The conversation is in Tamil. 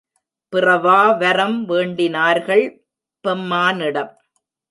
பிறவா வரம் வேண்டினார்கள் பெம்மானிடம்.